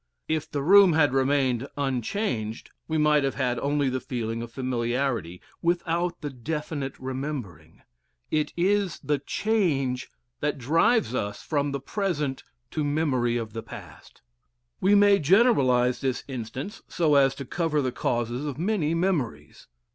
If the room had remained unchanged, we might have had only the feeling of familiarity without the definite remembering; it is the change that drives us from the present to memory of the past. We may generalize this instance so as to cover the causes of many memories.